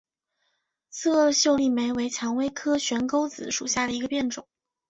刺萼秀丽莓为蔷薇科悬钩子属下的一个变种。